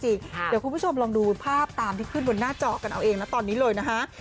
เดี๋ยวคุณผู้ชมลองดูภาพตามที่ขึ้นบนหน้าจอกันเอาเองนะตอนนี้เลยนะฮะ